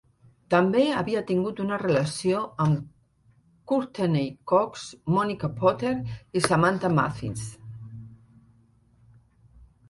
També havia tingut una relació amb Courteney Cox, Monica Potter i Samantha Mathis.